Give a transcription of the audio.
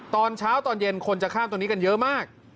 ตอนเช้าตอนเย็นคนจะข้ามตรงนี้กันเยอะมาก